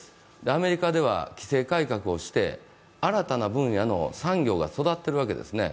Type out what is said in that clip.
アメリカでは規制改革をして、新たな分野の産業が育っているわけですね。